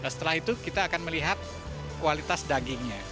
setelah itu kita akan melihat kualitas dagingnya